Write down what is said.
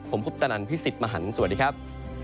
ผมพุทธนันพี่สิทธิ์มหันฯสวัสดีครับ